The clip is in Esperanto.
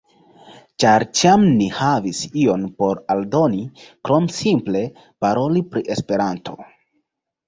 Ĉar ĉiam ni havis ion por aldoni krom simple paroli pri Esperanto.